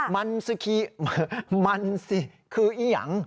มันสคีมันสิคืออียัง